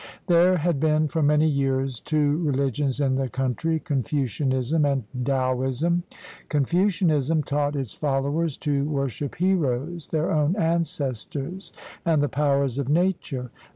There had been for many years two religions in the coun try, Confucianism and Taoism. Confucianism taught its fol lowers to worship heroes, their own ancestors, and the powers of nature.